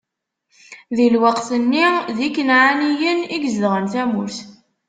Di lweqt-nni, d Ikanɛaniyen i yezedɣen tamurt.